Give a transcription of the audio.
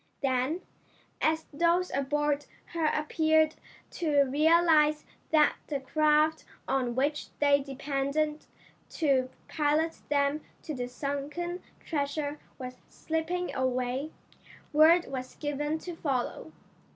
Then, as those aboard her appeared to realize that the craft on which they depended to pilot them to the sunken treasure was slipping away, word was given to follow.